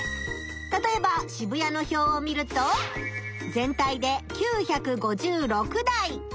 たとえば渋谷の表を見ると全体で９５６台。